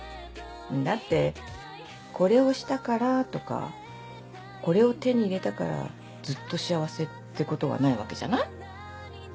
だってこれをしたからとかこれを手に入れたからずっと幸せってことはないわけじゃない？